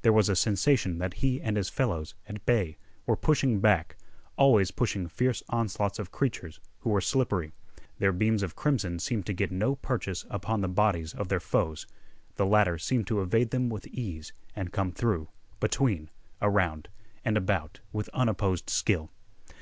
There was a sensation that he and his fellows, at bay, were pushing back, always pushing fierce onslaughts of creatures who were slippery. Their beams of crimson seemed to get no purchase upon the bodies of their foes; the latter seemed to evade them with ease, and come through, between, around, and about with unopposed skill.